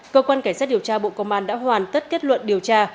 cơ quan cảnh sát điều tra bộ công an đã hoàn tất kết luận điều tra